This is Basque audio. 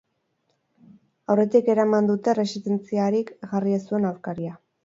Aurretik eraman dute erresistentziarik jarri ez duen aurkaria.